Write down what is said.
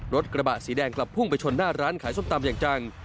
รถกระบะสีแดงกลับพุ่งไปชนหน้าร้านขายส้มตำอย่างจัง